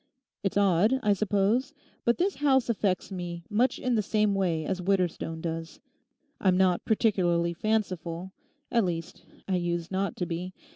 'It's odd, I suppose, but this house affects me much in the same way as Widderstone does. I'm not particularly fanciful—at least, I used not to be.